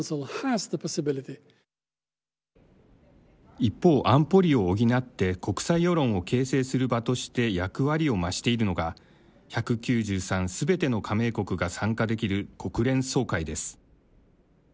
一方、安保理を補って国際世論を形成する場として役割を増しているのが１９３すべての加盟国が参加できる国連総会です。